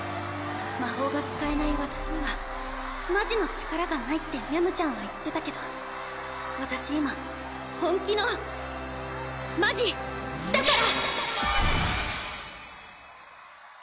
魔法が使えない私にはマジの力がないってみゃむちゃんは言ってたけど私今本気のマジだから！